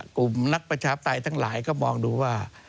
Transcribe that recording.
กลุ่มนักประชาปไตยทั้งหลายก็มองดูว่า